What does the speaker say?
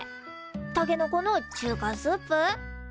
たけのこの中華スープ？